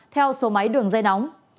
theo số máy đường dây nóng